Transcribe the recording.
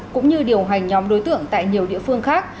cũng như điều hành nhóm đối tượng tại nhiều địa phương khác